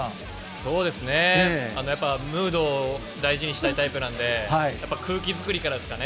そうですね、やっぱムードを大事にしたいタイプなんで、やっぱ空気作りからですかね。